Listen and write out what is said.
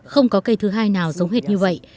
không có cây thứ hai nào giống hết như vậy